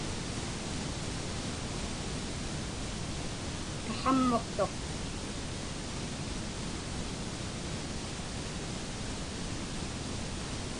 Taqhammuqtuq.